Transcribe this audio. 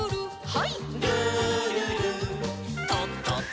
はい。